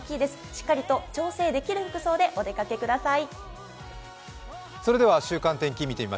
しっかりと調整できる服装でお出かけください